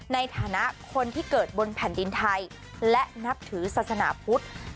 ในฐานะคนที่เกิดบนแผ่นดินไทยและนับถือศาสนาพุทธ